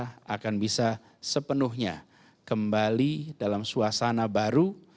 kita akan bisa sepenuhnya kembali dalam suasana baru